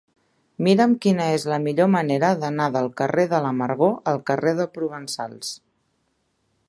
Mira'm quina és la millor manera d'anar del carrer de l'Amargor al carrer de Provençals.